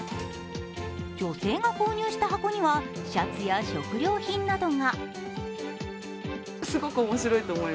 女性が購入した箱にはシャツや食料品などが。